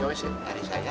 dan pasangan diskonksinya